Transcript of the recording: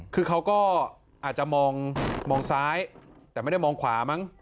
คือเขาก็อาจจะมองซ้ายแต่ไม่ได้มองขวามั้ง